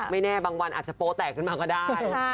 แน่บางวันอาจจะโป๊แตกขึ้นมาก็ได้